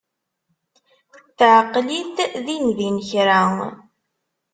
Teɛqel-it dindin kan.